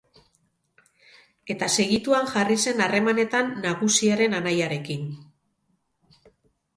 Eta segituan jarri zen harremanetan nagusiaren anaiarekin.